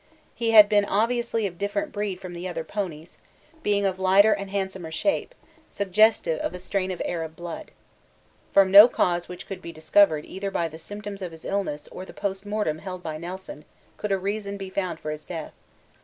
He had been obviously of different breed from the other ponies, being of lighter and handsomer shape, suggestive of a strain of Arab blood. From no cause which could be discovered either by the symptoms of his illness or the post mortem held by Nelson could a reason be found for his death.